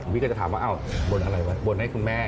วิธีจะถามว่าบนอะไรบนให้คุณแม่